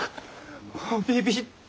ビビった！